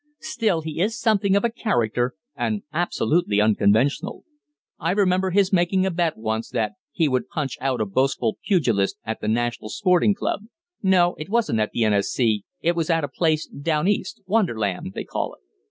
Still, he is something of a 'character,' and absolutely unconventional. I remember his making a bet, once, that he would punch out a boastful pugilist at the National Sporting Club no, it wasn't at the N.S.C., it was at a place down East 'Wonderland,' they call it."